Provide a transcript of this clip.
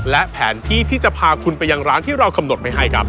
และแผนที่ที่จะพาคุณไปยังร้านที่เรากำหนดไว้ให้ครับ